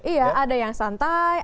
iya ada yang santai